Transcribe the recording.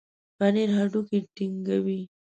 پنېر هډوکي ټينګوي.